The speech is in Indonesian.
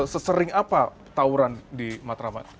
sesering apa tauran di matraman